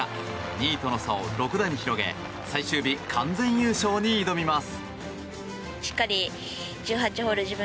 ２位との差を６打に広げ最終日、完全優勝に挑みます。